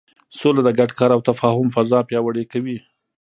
سوله د ګډ کار او تفاهم فضا پیاوړې کوي.